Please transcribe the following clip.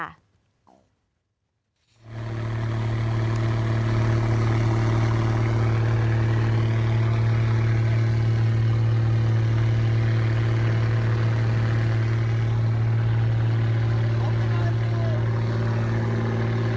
สะเทินบ้าง